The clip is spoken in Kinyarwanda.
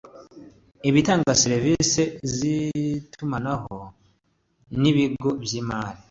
ibitanga serivisi z’itumanaho n’ibigo by’imari